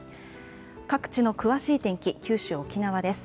各地の詳しい天気、九州、沖縄です。